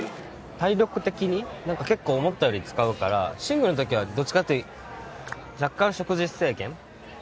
体力的になんか結構思ったより使うからシングルの時はどっちかっていうと若干食事制限。